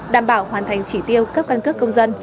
đảm bảo hoàn thành chỉ tiêu các căn cấp công dân